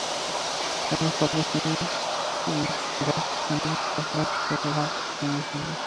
তারা স্বল্প সময়েই গাসসানী কাফেলার সাথে ভাব জমিয়ে ফেলে।